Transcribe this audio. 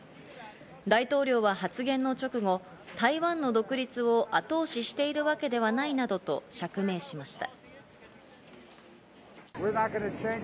大統領は発言の直後、台湾の独立を後押ししているわけではないなどと釈明しました。